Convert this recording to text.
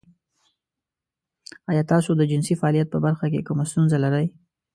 ایا تاسو د جنسي فعالیت په برخه کې کومه ستونزه لرئ؟